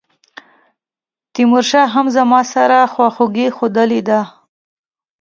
تیمورشاه هم زما سره خواخوږي ښودلې ده.